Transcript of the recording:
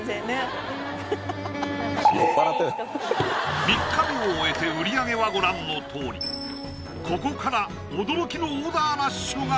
ハハハハ３日目を終えて売り上げはご覧のとおりここから驚きのオーダーラッシュが！